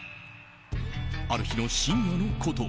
ある日の深夜のこと